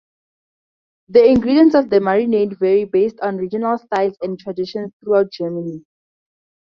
The ingredients of the marinade vary based on regional styles and traditions throughout Germany.